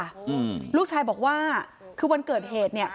อืมลูกชายบอกว่าคือวันเกิดเหตุเนี้ย